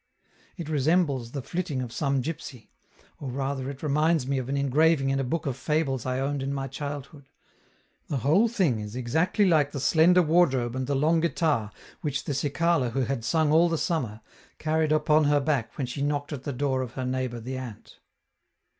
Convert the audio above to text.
It resembles the flitting of some gipsy, or rather it reminds me of an engraving in a book of fables I owned in my childhood: the whole thing is exactly like the slender wardrobe and the long guitar which the cicala who had sung all the summer, carried upon her back when she knocked at the door of her neighbor the ant.